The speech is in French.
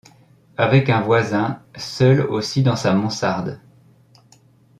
Avec un voisin, seul aussi dans sa mansarde ;